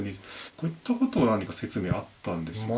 こういったことは何か説明あったんですか？